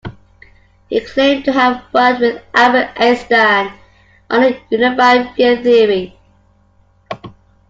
He claimed to have worked with Albert Einstein on the unified field theory.